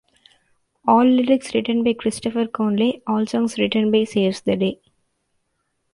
All lyrics written by Christopher Conley, all songs written by Saves the Day.